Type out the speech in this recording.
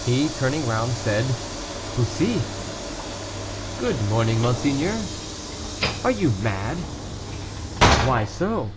He, turning round, said, "Bussy!" "Good morning, monseigneur." "Are you mad?" "Why so?"